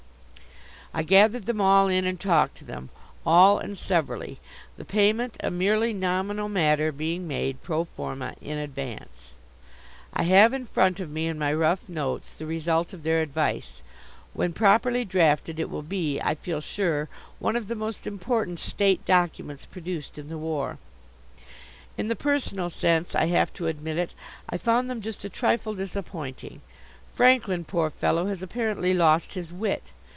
I gathered them all in and talked to them, all and severally, the payment, a merely nominal matter, being made, pro forma, in advance. I have in front of me in my rough notes the result of their advice. When properly drafted it will be, I feel sure, one of the most important state documents produced in the war. In the personal sense I have to admit it I found them just a trifle disappointing. Franklin, poor fellow, has apparently lost his wit.